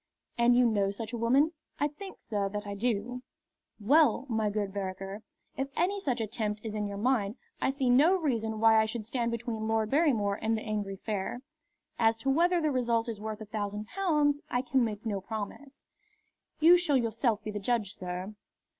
"And you know such a woman?" "I think, sir, that I do." "Well, my good Vereker, if any such attempt is in your mind, I see no reason why I should stand between Lord Barrymore and the angry fair. As to whether the result is worth a thousand pounds, I can make no promise." "You shall yourself be the judge, sir."